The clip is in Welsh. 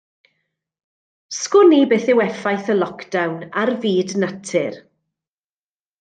'Sgwn i beth yw effaith y lockdown ar fyd natur?